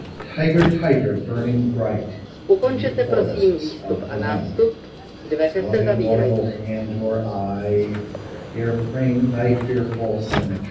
Tiger, tiger, burning bright In the forests of the night, What immortal hand or eye Dare frame thy fearful symmetry?